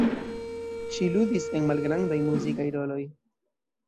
Ŝi ludis en malgrandaj muzikaj roloj.